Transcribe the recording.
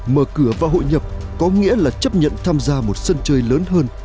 mở cửa và hội nhập có nghĩa là chấp nhận tham gia một sân chơi lớn hơn